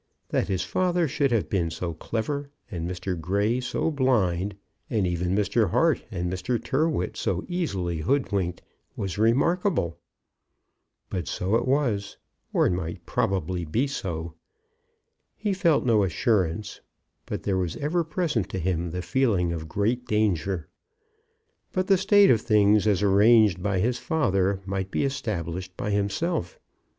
That his father should have been so clever, and Mr. Grey so blind, and even Mr. Hart and Mr. Tyrrwhit so easily hoodwinked, was remarkable. But so it was, or might probably be so. He felt no assurance, but there was ever present to him the feeling of great danger. But the state of things as arranged by his father might be established by himself.